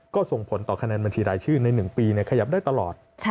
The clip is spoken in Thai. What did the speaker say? ก็ส่งผลต่อคะแนนบัญชีรายชื่อใน๑ปีขยับได้ตลอด